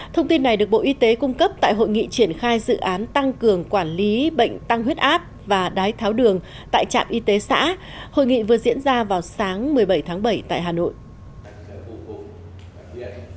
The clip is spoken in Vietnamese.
thông tin này được bộ y tế cung cấp tại hội nghị triển khai dự án tăng cường quản lý bệnh tăng huyết áp và đái tháo đường tại trạm y tế xã hội nghị vừa diễn ra vào sáng một mươi bảy tháng bảy tại hà nội